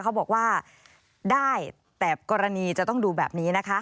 เขาบอกว่าได้แต่กรณีจะต้องดูแบบนี้นะคะ